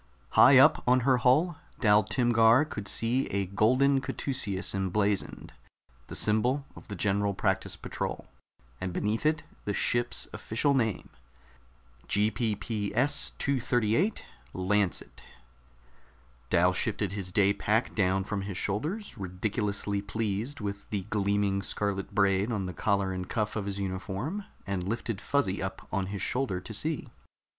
High up on her hull Dal Timgar could see a golden caduceus emblazoned, the symbol of the General Practice Patrol, and beneath it the ship's official name: GPPS 238 LANCET Dal shifted his day pack down from his shoulders, ridiculously pleased with the gleaming scarlet braid on the collar and cuff of his uniform, and lifted Fuzzy up on his shoulder to see.